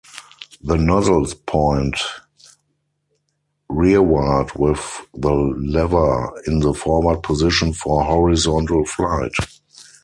The nozzles point rearward with the lever in the forward position for horizontal flight.